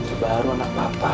ini baru anak papa